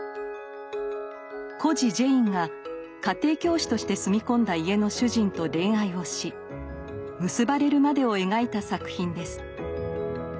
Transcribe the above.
孤児ジェインが家庭教師として住み込んだ家の主人と恋愛をし結ばれるまでを描いた作品です。